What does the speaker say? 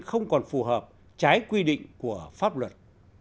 không còn phù hợp trái quy định của pháp luật